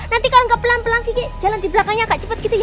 nanti kalo gak pelan pelan kikek jalan di belakangnya kak cepet gitu ya